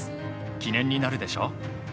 記念になるでしょ。